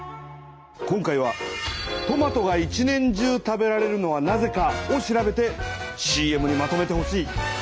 今回は「トマトが一年中食べられるのはなぜか」を調べてＣＭにまとめてほしい。